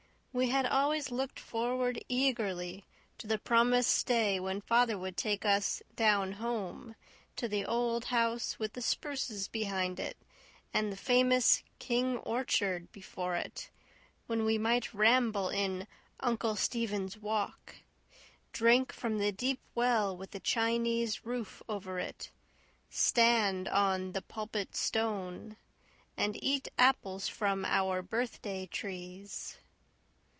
We had always looked forward eagerly to the promised day when father would take us "down home," to the old house with the spruces behind it and the famous "King orchard" before it when we might ramble in "Uncle Stephen's Walk," drink from the deep well with the Chinese roof over it, stand on "the Pulpit Stone," and eat apples from our "birthday trees."